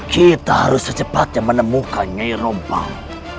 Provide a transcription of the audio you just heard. kita harus secepatnya menemukan nyai rompang